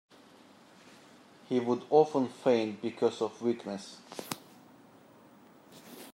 He would often faint because of weakness.